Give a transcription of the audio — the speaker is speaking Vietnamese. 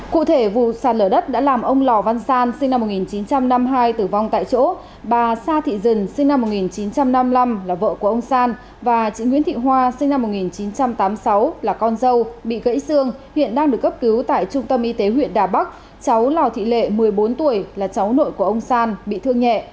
cụ thể vụ sạt lở đất đã làm ông lò văn san sinh năm một nghìn chín trăm năm mươi hai tử vong tại chỗ bà sa thị dần sinh năm một nghìn chín trăm năm mươi năm là vợ của ông san và chị nguyễn thị hoa sinh năm một nghìn chín trăm tám mươi sáu là con dâu bị gãy xương hiện đang được cấp cứu tại trung tâm y tế huyện đà bắc cháu lò thị lệ một mươi bốn tuổi là cháu nội của ông san bị thương nhẹ